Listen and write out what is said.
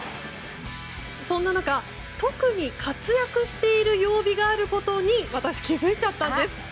そんな中、特に活躍している曜日があることに私、気づいちゃったんです。